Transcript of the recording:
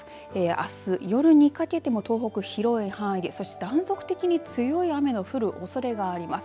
あす夜にかけても東北広い範囲そして、断続的に強い雨の降るおそれがあります。